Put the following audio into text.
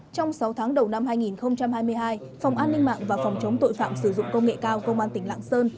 trong sáu tháng đầu năm hai nghìn hai mươi hai phòng an ninh mạng và phòng chống tội phạm sử dụng công nghệ cao công an tỉnh lạng sơn